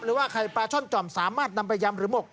หรือว่าไข่ปลาช่อนจ่อมสามารถนำไปยำหรือหมก